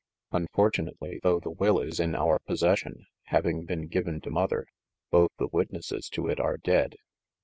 Unfortunately, though the will is in our possession, having been given to mother, both the witnesses to it are dead."